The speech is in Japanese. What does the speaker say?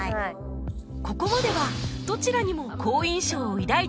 ここまではどちらにも好印象を抱いている鈴木